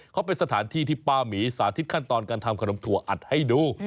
เขาเป็นสถานที่ที่ป้าหมีสาธิตขั้นตอนการทำขนมถั่วอัดให้ดู